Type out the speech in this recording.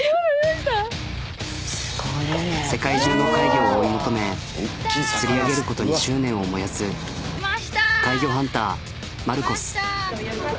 世界中の怪魚を追い求め釣り上げることに執念を燃やす怪魚ハンター。